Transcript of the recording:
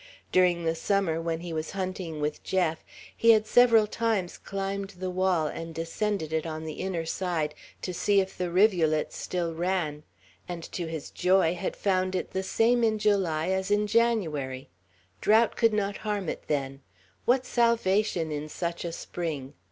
During the summer, when he was hunting with Jeff, he had several times climbed the wall and descended it on the inner side, to see if the rivulet still ran; and, to his joy, had found it the same in July as in January. Drought could not harm it, then. What salvation in such a spring!